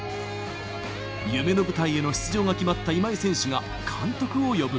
夢の舞台への出場が決まった今井選手が監督を呼ぶ。